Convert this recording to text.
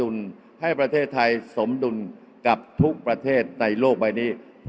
อย่าให้ลุงตู่สู้คนเดียว